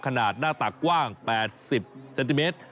หน้าตากกว้าง๘๐เซนติเมตร